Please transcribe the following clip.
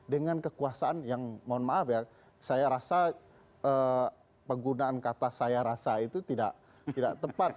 dengan kekuasaan yang mohon maaf ya saya rasa penggunaan kata saya rasa itu tidak tepat